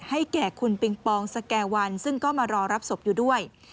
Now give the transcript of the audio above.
ให้แก่คุณปิงปองสแก่วันซึ่งก็มารอรับศพอยู่ด้วย